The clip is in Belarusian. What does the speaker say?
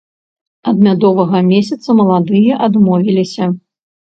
Ад мядовага месяца маладыя адмовіліся.